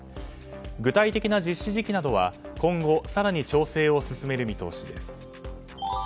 具体的な実施時期などは今後、更に調整を進める見通しです。